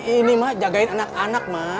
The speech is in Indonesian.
ini emak jagain anak anak emak